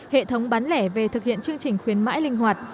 hệ thống bán lẻ về thực hiện chương trình khuyến mãi linh hoạt